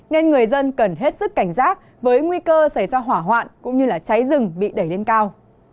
nên người dân cần hết sức cảnh giác với nguy cơ xảy ra hỏa hoạn cũng như cháy rừng bị đẩy lên cao